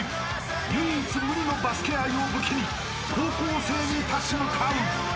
［唯一無二のバスケ愛を武器に高校生に立ち向かう］